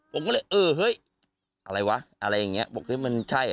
ผมก็เลยเออเฮ้ยอะไรวะอะไรอย่างนี้บอกเฮ้ยมันใช่